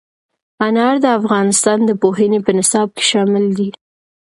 انار د افغانستان د پوهنې په نصاب کې شامل دي.